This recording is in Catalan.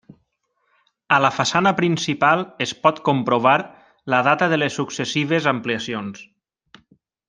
A la façana principal es pot comprovar la data de les successives ampliacions.